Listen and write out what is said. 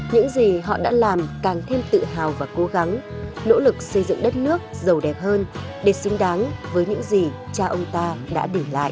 những gì họ đã làm càng thêm tự hào và cố gắng nỗ lực xây dựng đất nước giàu đẹp hơn để xứng đáng với những gì cha ông ta đã để lại